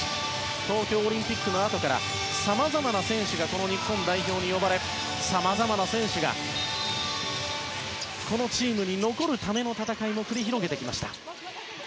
東京オリンピックのあとからさまざまな選手がこの日本代表に呼ばれさまざまな選手がこのチームに残るための戦いも繰り広げてきました。